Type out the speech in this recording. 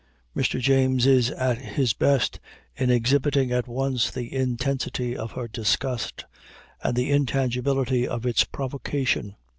Mr. James is at his best in exhibiting at once the intensity of her disgust and the intangibility of its provocation.